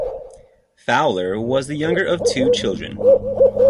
Fowler was the younger of two children.